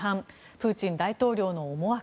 プーチン大統領の思惑。